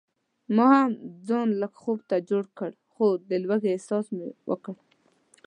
ما هم ځان لږ خوب ته جوړ کړ خو د لوږې احساس مې وکړ.